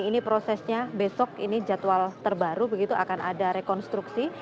ini prosesnya besok ini jadwal terbaru begitu akan ada rekonstruksi